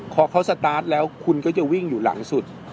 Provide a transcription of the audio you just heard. พอเขาสตาร์ทแล้วคุณก็จะวิ่งอยู่หลังสุด